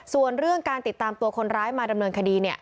ส่วนเรื่องการติดตามตัวคนร้ายมาดำเนินคดี